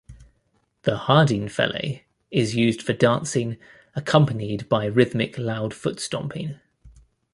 The Hardingfele is used for dancing, accompanied by rhythmic loud foot stomping.